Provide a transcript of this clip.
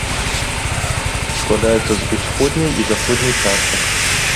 Складаецца з усходняй і заходняй частак.